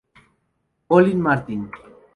Collin Martin